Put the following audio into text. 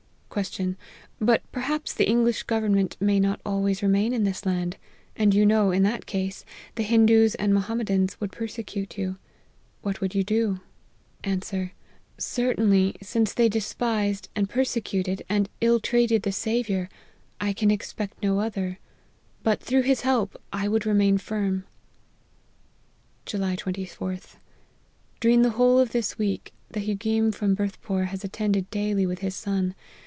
" Ques. 'But perhaps the English government may not always remain in this land ; and you know, in that case, the Hindoos and Mohammedans would persecute you : what would you do ?' APPENDIX. 237 " J?ns. < Certainly, since they despised, and persecuted, and ill treated the Saviour, I can expect no other ; but, through his help, I would remain firm.' " July 24th. During the whole of this week, the Hugeem from Berthpore has attended daily with his son.